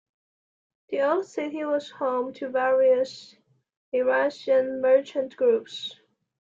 The old city was home to various Eurasian merchant groups.